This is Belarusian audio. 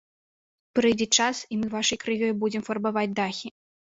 Прыйдзе час, і мы вашай крывёй будзем фарбаваць дахі.